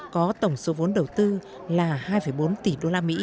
có tổng số vốn đầu tư là hai bốn tỷ usd